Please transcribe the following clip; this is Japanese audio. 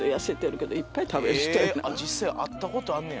実際会った事あんねや。